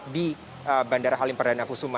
di bandara halim perdana kusuma